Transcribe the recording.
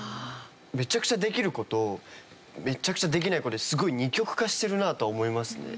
めちゃくちゃできる子とめちゃくちゃできない子ですごい二極化してるなとは思いますね。